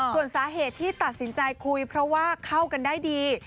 ส่วนสาเหตุที่ตัดสินใจคุยเพราะว่าเข้ากันได้ดี